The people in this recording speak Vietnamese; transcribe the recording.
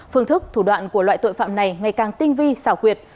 phương thức thủ đoạn của loại tội phạm này ngày càng tinh vi xảo quyệt